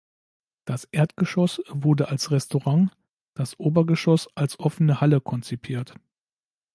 Das Erdgeschoss wurde als Restaurant, das Obergeschoss als offene Halle konzipiert.